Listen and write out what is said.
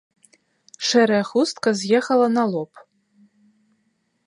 Шэрая хустка з'ехала на лоб.